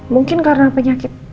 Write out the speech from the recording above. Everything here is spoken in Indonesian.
mungkin karena penyakit